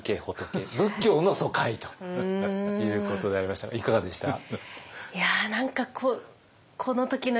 仏教の疎開ということでありましたがいかがでした？